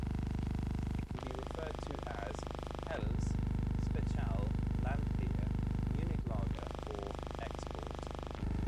It can be referred to as "Helles", "Spezial", "Landbier", "Munich Lager", or "Export".